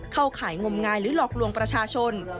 ข่ายงมงายหรือหลอกลวงประชาชน